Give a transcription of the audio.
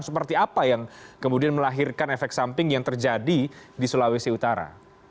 seperti apa yang kemudian melahirkan efek samping yang terjadi di sulawesi utara